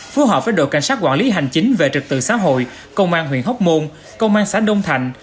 phù hợp với đội cảnh sát quản lý hành chính về trật tự xã hội công an huyện hóc môn công an xã đông thạnh